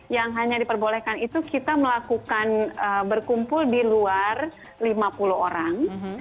yang hanya diperbolehkan itu kita melakukan berkumpul di luar lima puluh orang